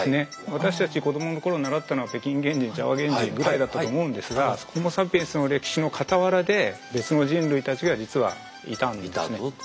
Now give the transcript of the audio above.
私たち子どもの頃習ったのは北京原人ジャワ原人ぐらいだったと思うんですがホモ・サピエンスの歴史のかたわらで別の人類たちが実はいたんですね。